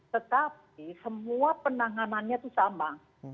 tetapi semua penanganannya itu sama